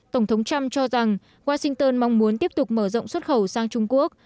tổng thống trump cho rằng washington mong muốn tiếp tục mở rộng xuất khẩu sang trung quốc